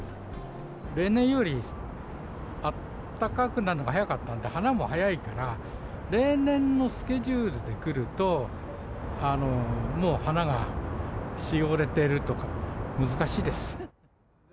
例年よりあったかくなるのが早かったんで、花も早いから、例年のスケジュールでくると、もう花がしおれてるとか、難しいです。